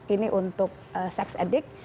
ini untuk sex addict